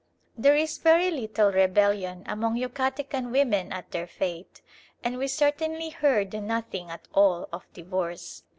There is very little rebellion among Yucatecan women at their fate, and we certainly heard nothing at all of divorce.